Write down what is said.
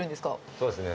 そうですね。